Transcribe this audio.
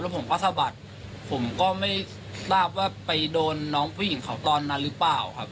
ผมก็สะบัดผมก็ไม่ทราบว่าไปโดนน้องผู้หญิงเขาตอนนั้นหรือเปล่าครับ